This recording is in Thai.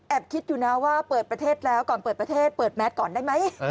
คิดอยู่นะว่าเปิดประเทศแล้วก่อนเปิดประเทศเปิดแมสก่อนได้ไหม